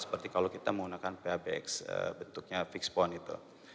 seperti kalau kita menggunakan pabx bentuknya fixedbon itu